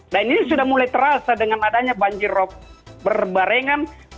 dan ini sudah mulai terasa dengan adanya banjir rob berbarengan